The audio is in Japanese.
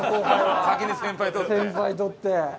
先輩取って。